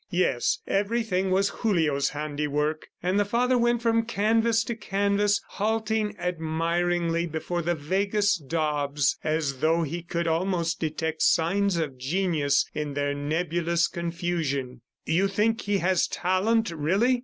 Yes, everything was Julio's handiwork ... and the father went from canvas to canvas, halting admiringly before the vaguest daubs as though he could almost detect signs of genius in their nebulous confusion. "You think he has talent, really?"